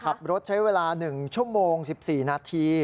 ใช้เวลา๑ชั่วโมง๑๔นาที